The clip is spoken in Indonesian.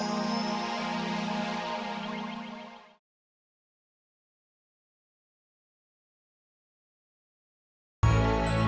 kamu juga sama